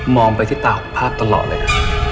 ไปที่ตาของภาพตลอดเลยนะ